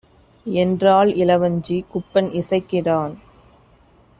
என்றாள் இளவஞ்சி. குப்பன் இசைக்கிறான்: